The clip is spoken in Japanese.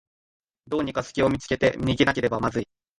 どうにかすきを見つけて逃げなければまずい